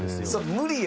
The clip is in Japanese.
無理よ。